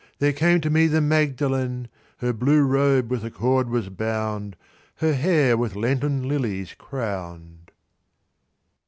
There came to me the Magdalen. Her blue robe with a cord was bound, Her hair with Lenten lilies crowned.